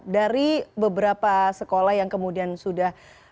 dari beberapa sekolah yang kemudian sudah